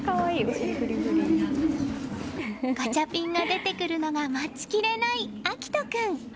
ガチャピンが出てくるのが待ちきれない暁登君。